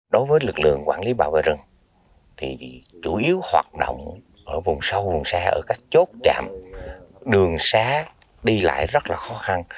đối với lực lượng quản lý bảo vệ rừng thì chủ yếu hoạt động ở vùng sâu vùng xa ở các chốt chạm đường xá đi lại rất là khó khăn